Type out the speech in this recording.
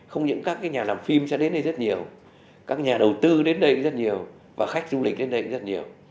không những các nhà làm phim sẽ đến đây rất nhiều các nhà đầu tư đến đây rất nhiều và khách du lịch đến đây cũng rất nhiều